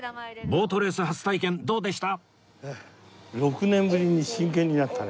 ボートレース初体験どうでした？